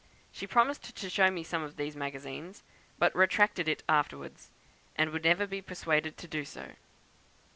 She promised to show me some of these magazines, but retracted it afterwards, and would never be persuaded to do so.